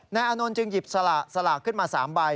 นายอานนท์จึงหยิบสละสละขึ้นมา๓ใบ